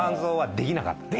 できなかったの？